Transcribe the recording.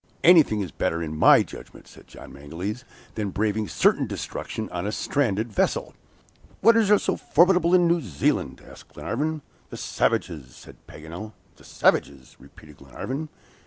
"Anything is better, in my judgment," said John Mangles, "than braving certain destruction on a stranded vessel." "What is there so formidable in New Zealand?" asked Glenarvan. "The savages," said Paganel. "The savages!" repeated Glenarvan.